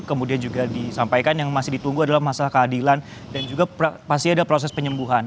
kemudian juga disampaikan yang masih ditunggu adalah masalah keadilan dan juga pasti ada proses penyembuhan